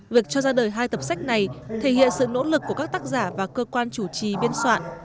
việc cho ra đời hai tập sách này thể hiện sự nỗ lực của các tác giả và cơ quan chủ trì biên soạn